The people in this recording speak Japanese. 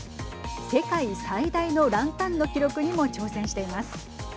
世界最大のランタンの記録にも挑戦しています。